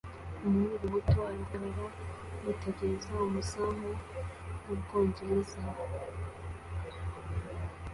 Umuhungu muto arahagarara yitegereza umuzamu w'Ubwongereza